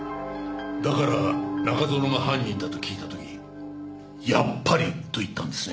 だから中園が犯人だと聞いた時「やっぱり」と言ったんですね？